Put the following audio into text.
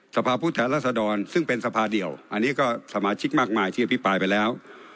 สภาพุทธรรษฎรซึ่งเป็นสภาเดี่ยวอันนี้ก็สมาชิกมากมายที่พิพายไปแล้ว